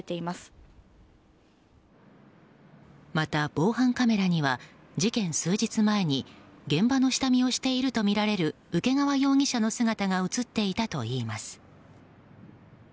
また、防犯カメラには事件数日前に現場の下見をしているとみられる請川容疑者の姿が映っていたといいます。